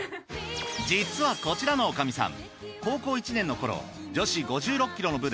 実はこちらの女将さん。